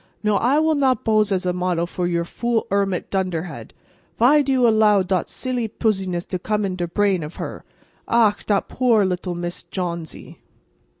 No, I will not bose as a model for your fool hermit dunderhead. Vy do you allow dot silly pusiness to come in der prain of her? Ach, dot poor lettle Miss Johnsy."